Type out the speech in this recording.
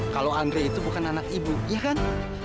kalau andre itu bukan anak ibu iya kan